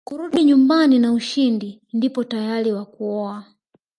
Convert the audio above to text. kurudi nyumbani na ushindi ndipo tayari wa kuoa